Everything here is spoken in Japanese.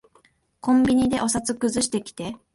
コンビニでお札くずしてきて。